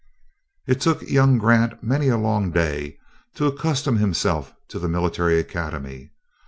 It took young Grant many a long day to accustom himself to the Military Academy.